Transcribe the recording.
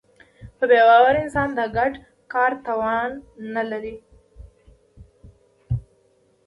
بېباوره انسان د ګډ کار توان نهلري.